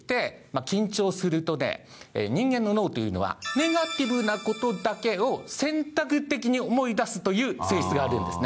人間の脳というのはネガティブな事だけを選択的に思い出すという性質があるんですね。